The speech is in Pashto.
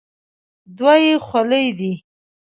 دوه یې خولې دي.